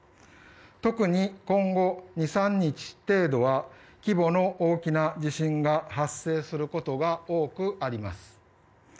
特に今後、２３日程度は規模の大きな地震が発生することが多くあります。